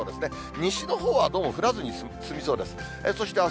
西のほうはどうも降らずに済みそうです。